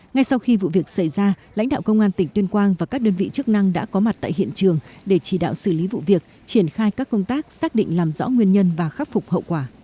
ngay sau khi vụ việc xảy ra lãnh đạo công an tỉnh tuyên quang và các đơn vị chức năng đã có mặt tại hiện trường để chỉ đạo xử lý vụ việc triển khai các công tác xác định làm rõ nguyên nhân và khắc phục hậu quả